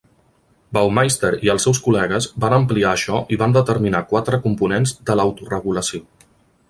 Baumeister i els seus col·legues van ampliar això i van determinar quatre components de l'autoregulació.